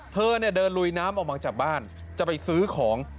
เธอเนี่ยเดินลุยน้ำออกมาจากบ้านจะไปซื้อของ